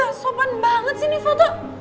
gak sopan banget sih nih foto